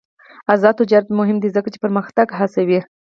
آزاد تجارت مهم دی ځکه چې پرمختګ هڅوي.